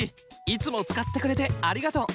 いつもつかってくれてありがとう！